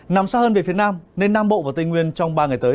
nằm xa hơn về phía nam nên nam bộ và tây nguyên trong ba ngày tới